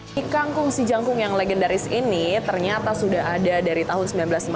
mie kangkung si jangkung yang legendaris ini ternyata sudah ada dari tahun seribu sembilan ratus sembilan puluh